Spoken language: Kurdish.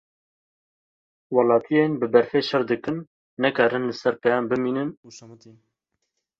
Welatiyên bi berfê şer dikin, nekarin li ser pêyan bimînin û şemitîn.